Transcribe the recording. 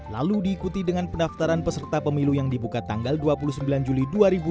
lalu diikuti dengan pendaftaran peserta pemilu yang dibuka tanggal dua puluh sembilan juli dua ribu dua puluh